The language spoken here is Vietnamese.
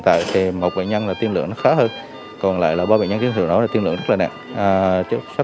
tại thì một bệnh nhân tiên lượng khá hơn còn lại ba bệnh nhân chấn thương nổ tiên lượng rất là nặng sắp